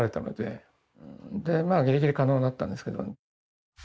でまあぎりぎり可能だったんですけど。